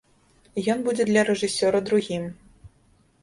Ён будзе для рэжысёра другім.